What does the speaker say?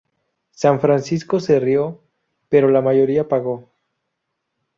San Francisco se rio... pero la mayoría pagó.